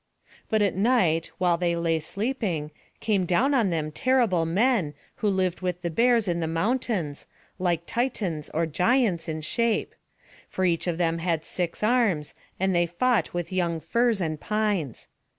But at night, while they lay sleeping, came down on them terrible men, who lived with the bears in the mountains, like Titans or giants in shape; for each of them had six arms, and they fought with young firs and pines.